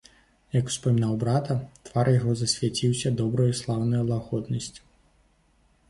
Як успамінаў брата, твар яго засвяціўся добраю, слаўнаю лагоднасцю.